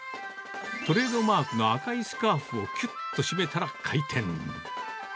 トレードマークの赤いスカーフをきゅっと締めたら開店。